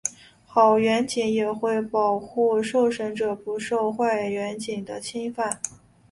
好员警也会保护受审者不受坏员警的侵犯。